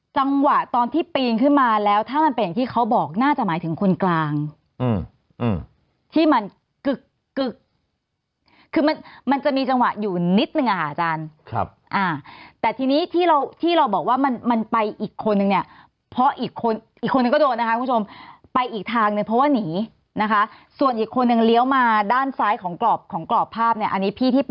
จังหวะตอนที่ปีนขึ้นมาแล้วถ้ามันเป็นอย่างที่เขาบอกน่าจะหมายถึงคนกลางที่มันกึกกึกคือมันมันจะมีจังหวะอยู่นิดนึงอะค่ะอาจารย์ครับอ่าแต่ทีนี้ที่เราที่เราบอกว่ามันมันไปอีกคนนึงเนี่ยเพราะอีกคนอีกคนนึงก็โดนนะคะคุณผู้ชมไปอีกทางนึงเพราะว่าหนีนะคะส่วนอีกคนนึงเลี้ยวมาด้านซ้ายของกรอบของกรอบภาพเนี่ยอันนี้พี่ที่ป